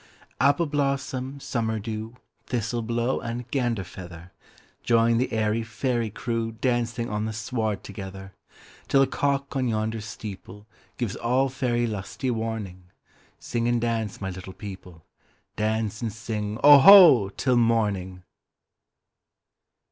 Appleblossom, Summerdew, Thistleblow, and Ganderfeather! Join the airy fairy crewDancing on the sward together! Till the cock on yonder steepleGives all faery lusty warning, Sing and dance, my little people,—Dance and sing "Oho" till morning!